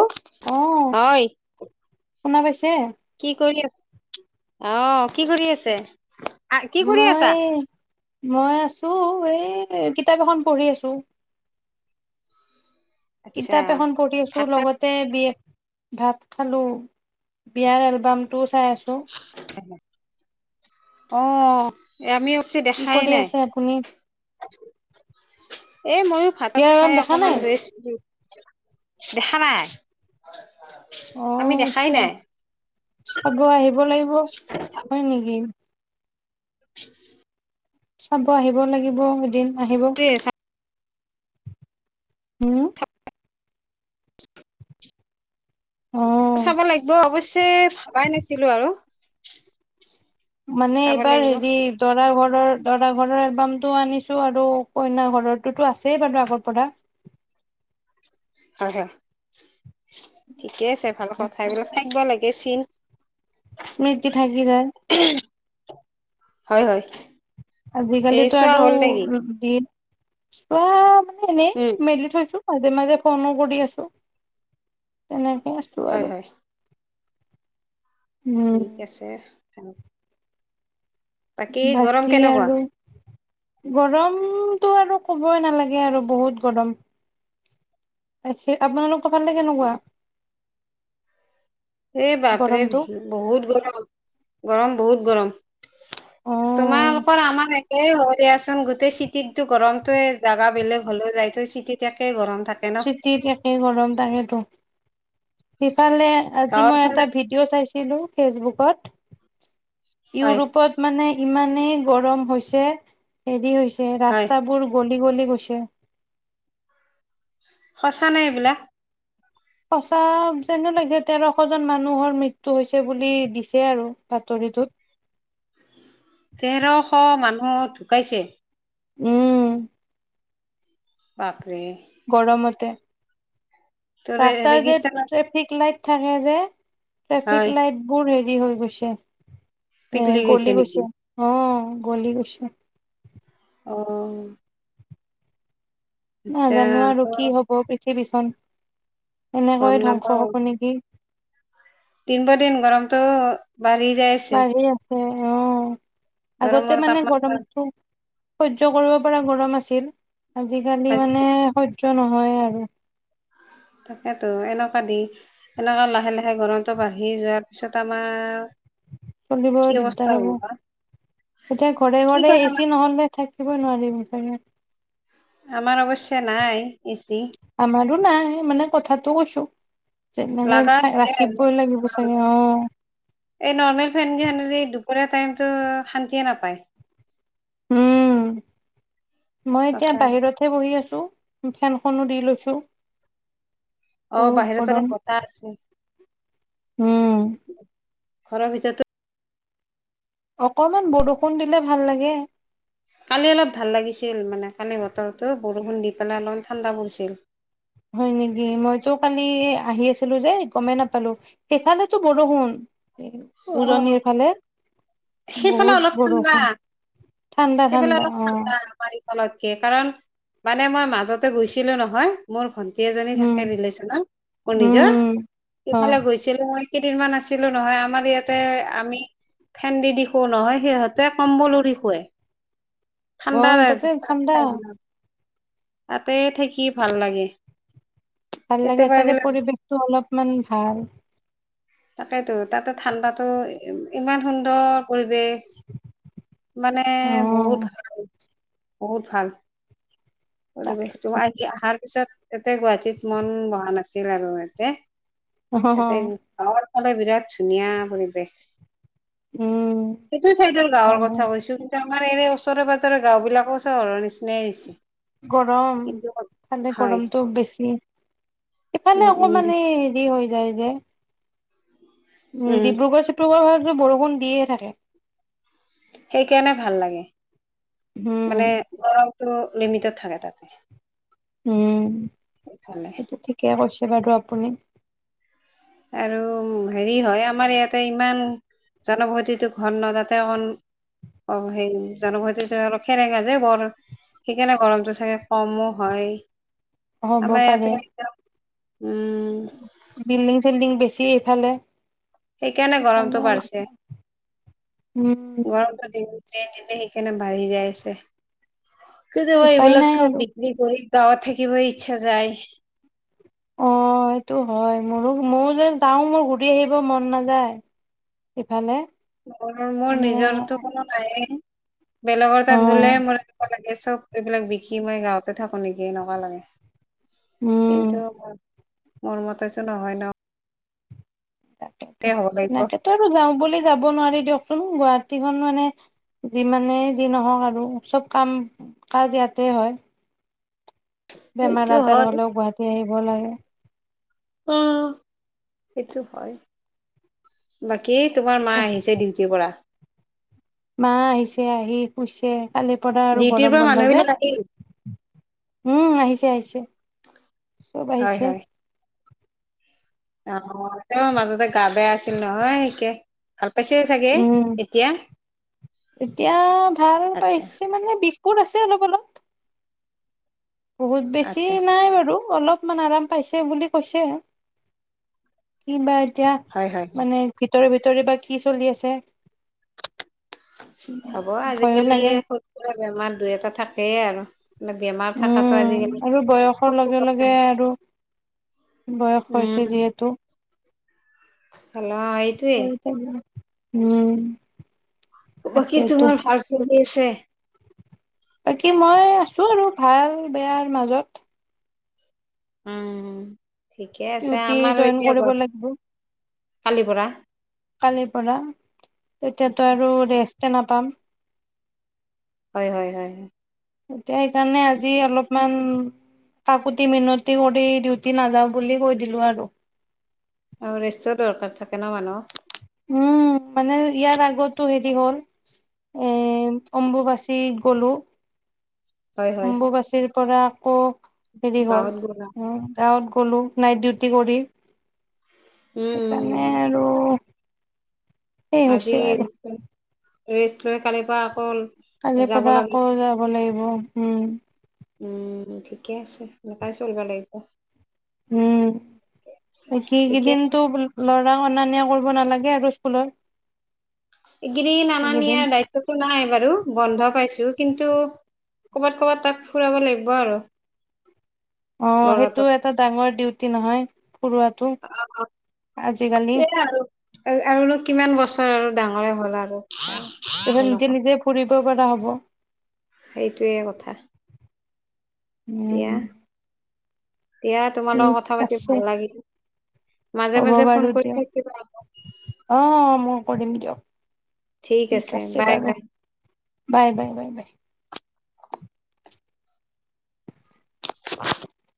ও অ', হয়। শুনা পাইছে? কি কৰি আছ, অহ কি কৰি আছে? আ কি কৰি মই আছা মই আছো এই কিতাপ এখন পঢ়ি আছো। আচ্ছা কিতাপ এখন কৰি আছো ভাত চাত লগতে বি এ। ভাত খালো। বিয়াৰ এলবাম টোও চাই আছো। অ আমিও ছে কি দেখাই কৰি নাই। আছে আপুনি? এ মইয়ো ভাতক বিয়াৰ এলবাম খাই দেখা অকমান নাই? ৰেচ দিওঁ। দেখা নাই। অ আমি দেখাই আচ্ছা নাই চাব আহিব লাগিব হয় নেকি? [inaudible] চাব আহিব লাগিব এদিন আহিব। হম। অ'। চাব লাগিব অৱশ্যে ভাবাই নাছিলো আৰু। মানে চাব এইবাৰ লাগিব হেৰি দৰা ঘৰৰ দৰা ঘৰৰ এলবামটোও আনিছোঁ আৰু কইনা ঘৰটোতো আছেই বাৰু আগৰ পৰা। হয় হয় ঠিকে আছে ভাল কথা। এইবিলাক থাকিব লাগে চিন। স্মৃতি থাকি যায়। হয় হয়। এই আজিকালিতো চোৱা আৰু হ'ল নেকি দিন চব এনে উম মেলি থৈছো মাজে মাজে ফোনো কৰি আছো। তেনে হয় হয়। ঠিক আছে তাৰোপ বাকী কেনেকুৱা আৰু গৰমতটো আৰু ক'বই নালাগে আৰু বহুত গৰম। এ হে আপোনালোকৰ ফালে কেনেকুৱা? সে বাপৰে গৰমটো ভি বহুত গৰম গৰম বহুত গৰম। অ তোমালোকৰ আমাৰে এ হয় দিয়াচোন গোটেই চিটিততো গৰমতোৱে জাগা বেলেগ হ'লেও যায়ত চিটিত একে গৰম থাকে ন চিটি তেকে গৰম তাকেতো ইফালে আজি গাঁৱৰ মই ফালে এটা ভিডিঅ' চাইছিলো ফেচবুকত। হয় ইউৰোপত মানে ইমানেই গৰম হৈছে হেৰি হৈছে। হয় ৰাস্তাবোৰ গলি গলি গৈছে। সঁচা নে এইবিলাক? সঁচা যেনে লাগে তেৰশ জন মানুহৰ মৃত্যু হৈছে বুলি দিছে আৰু বাতৰি। ঋতুত তেৰশ মানুহ ঢুকাইছে। উম। বাপৰে গৰমতে ত ৰাস্তাৰ যে ৰেজিষ্টাৰত ট্ৰেফিক লাইট থাকে যে ট্ৰেফিক হয় লাইটবোৰ হেৰি হৈ গৈছে। এ পিকলি গলি নেকি গৈছে অ গলি গৈছে। অ। আচ্ছা নাজানো ত আৰু কি হব পৃথিৱী খন গম এনেকৈয়ে ধ্বংস নাপাও হব নেকি? দিন ব দিন গৰমটো বাঢ়ি যাই আছে। বাঢ়ি আছে অ আগতে গৰমৰ মানে তাপমাত্ৰা গৰম আছো সহ্য কৰিব পৰা গৰম আছিল। আজিকালি আজি মানে সহ্য নহয় আৰু। তাকেতো এনেকুৱা দি এনেকুৱা লাহে লাহে গৰমো বাঢ়ি যোৱাৰ পিছত আমাৰ চলিব কি দিগদাৰ অৱস্থা হ'ব। বা এতিয়া ঘৰে কি ঘৰে কাৰণ এচি নহলে থাকিবই নোৱাৰিব চাগে। আমাৰ অৱশ্যে নাই এচি। আমাৰো নাই মানে কথাতটো কৈছো। তেনেহলে লাগাছে আৰু ৰাখিবই লাগিব চাগে অ এই নৰ্মেল ফেন য [unintelligible] ক টাইমতটো শান্তিয়ে নাপায়। উম মই এতিয়া সঁচা বাহিৰতহে বহি আছো। ফেনখনো দি লৈছো। অ বহুত বাহিৰত গৰম। অলপ বতাহ আছে। উম। ঘৰ ভিতৰতো- অকমান বৰষুণ দিলে ভাল লাগে। কালি অলপ ভাল লাগিছিল মানে কালি বতৰটো বৰষুণ দি পেলাই অলপ ঠাণ্ডা পৰিছিল। হয় নেকি? মইতো কালি আহি আছিলো যে গমেই নাপালো সেইফালেতো বৰষুণ। অ উজনিৰ ফালে। সেইফালে বহুত অলপ ঠাণ্ডা। বৰষুণ। ঠাণ্ডা সেইফালে ঠাণ্ডা অলপ অ ঠাণ্ডা পাৰি। [unintelligible] কাৰণ মানে মই মাজতে গৈছিলো নহয় মোৰ ঘ। এজনী উম থাকে ৰিলে্চনত ম নিজৰ উম অ সেইফালে গৈছিলো মই। কেইদিনমান আছিলো নহয় আমাৰ ইয়াতে আমি ফেন দি দি শু নহয় সিহঁতে কম্বল উৰি শুৱে। অ ঠাণ্ডা তাতে ঠাণ্ডা। ঠাইবিলাক তাতে থাকি ভাল লাগে। ভাল লাগে কেতিয়াবা তাৰে এইবিলাক পৰিৱেশতটো অলপমান ভাল। তাকেইতো তাতে ঠাণ্ডাতো ইমান সুন্দৰ। পৰিৱেশ মানে অ বহুত ভাল। বহুত ভাল পৰিৱেশটো তাকেতো আহি অহাৰ পিছত ততে গুৱাহাটীত মন বহা নাছিল আৰু ইয়াতে। অ হ। আমাৰ ফালে বিৰাট ধুনীয়া পৰিৱেশ। উম সেইটো চাইদৰ গাঁৱৰ হয় হয় কথা কৈছো কিন্তু। আমাৰ এনে ওচৰে পাজৰে গাঁও বিলাকও চহৰৰ নিচিনাই হৈছে। গৰম কিন্তু খালে হয় গৰমতো বেছি। ইফালে উম উম অকমানে হেৰি হৈ যায় যে। উম ডিব্ৰুগড় চিব্ৰুগড় হয় বৰষুণ দিয়ে থাকে। সেইকাৰণে ভাল লাগে উম মানে গৰম। তো লিমিতেড থাকে তাতে। উম ভালে সেইটো ঠিকে কৈছে বাৰু আপুনি। আৰু হেৰি হয় আমাৰ ইয়াতে ইমান। জনবসতিটো ঘন ন তাতে অকন অ সেই জানোত অলপ খেনে গা যে বৰ। সেইকাৰণে গৰমতো চাগে কমো হয় হ'ব আমাৰ পাৰে ইয়াতে উম বিল্ডিং চিল্ডিং বেছি এইফালে সেইকাৰণে গৰমটো বাঢ়ছে উম গৰমটো দিন সেইকাৰণে বাঢ়ি যাই আছে কেতিয়াবা উপায় এইবিলাক নাই আৰু চব বিক্ৰী কৰি গাঁৱত থাকিব ইচ্ছা যায় অ এইটো হয় মোৰো ময়ো যে যাও মোৰ ঘূৰি আহিব মন নাযায় ইফালে মোৰ মোৰ মানে নিজৰতো কোনো নাইয়েই বেলেগৰ তাত গলে অ', মোৰ এনেকোৱা লাগে চব এইবিলাক বিকি মই গাঁৱতে থাকো নেকি এনেকোৱা লাগে উম, কিন্ত মোৰ মতেতো নহয় ন তাক তাতে হ'ব লাগিব তেনেকেতো আৰু যাওঁ বুলি যাব নোৱাৰি দিয়কচোন গুৱাহাটীখন মানে যিমানে যি নহওক আৰু চব কাম কাজ ইয়াতে হয় বেমাৰ সেইটো আজাৰ হয়। হলেও গুৱাহাটী আহিব লাগে অ সেইটো হয় বাকী কি তোমাৰ মা আহিছে ডিউটিৰ পৰা মা আহিছে আহি শুইছে কালি পৰা আৰু ডিউটিৰ গৰম পৰা বন্ধ মানুহ যে বিলাক আহিল উম আহিছে আহিছে চব হয় আহিছে হয় অ তেওঁ মাজতে গা বেয়া আছিল নহয় সিকে ভাল পাইছে চাগে উম, এতিয়া এতিয়া ভাল আচ্ছা পাইছে মানে বিষবোৰ আছে অলপ অলপ বহুত বেছি আচ্ছা নাই বাৰু অলপ অলপমান আৰাম পাইছে বুলি কৈছে কি বা এতিয়া হয় হয় হয় মানে ভিতৰি ভিতৰি বা কি চলি আছে হব ভয়ো আজিকালি লাগে সৰু সুৰা বেমাৰ দুই এটা থাকেই আৰু মানে বেমাৰ থকাটো উম আজিকালি আৰু বয়সৰ সৰু লগে কথা লগে আৰু বয়স হৈছে যিহেতু হেল্ল এইটোৱে উম বাকী তাকেইতো তোমাৰ ভাল চলি আছে বাকী মই আছো আৰু ভাল বেয়াৰ মাজত উম ঠিকে আছে ডিউটি আমাৰো জইন এতিয়া কৰিব গ লাগিব কালিৰ পৰা কালিৰ পৰা তেতিয়াতো আচ্ছা আৰু ৰেষ্ট নাপাম হয় হয় হয় হয় এতিয়া সেইকাৰণে আজি ঠিকে অলপমান কাকুতি মিনতি কৰি ডিউটি নাযাওঁ বুলি কৈ দিলো আৰু আৰু ৰেষ্টো দৰকাৰ থাকে ন মানুহক৷ উম মানে ইয়াৰ আগতো হেৰি হ'ল এ অম্বুবাচীত গলো৷ হয় হয় অম্বুবাচীৰ পৰা আকৌ হেৰি হ'ল গাঁৱত গলা উ গাঁৱত গলো নাইট ডিউটি কৰি উম উম সেইকাৰণে উম, আৰু সেই আজি হৈছে আৰু ৰেষ্ট লৈ - লৈ কালিৰ পৰা আকৌ কালিৰ যাব পৰা লাগে আকৌ যাব লাগিব উম৷ উম ঠিকে আছে সেনেকাই চলিব লাগিব৷ উম বাকী ঠিকে আছে এইকেইদিনটো লৰাক অনা নিয়া কৰিব নালাগে আৰু স্কুলৰ এইগিদিন আনা নিয়াৰ দায়িত্বটো নাই বাৰু বন্ধ পাইছো৷ কিন্তু ক'বাত-ক'বাত তাক ফুৰাব লাগিব আৰু৷ অ', সেইটো ল'ৰাটোক এটা ডাঙৰ ডিউটি নহয়, ফুৰোৱাটো৷ আজিকালি অ আৰু কিমান বছৰ আৰু ডাঙৰে হ'ল আৰু। তেয়া সেনেকুৱা নিজে-নিজে ফুৰিব পাৰা হব। সেইটোৱে কথা। উম। দিয়া দিয়া, তোমাৰ ঠিক লগত কথা পাতি আছে ভাল লাগিল। মাজে হ'ব মাজে ফোন বাৰু কৰি থাকিবা দিয়ক। অ', মই কৰিম দিয়ক। ঠিক আছে বাৰু, বাই-বাই বাই-বাই। [inaudible]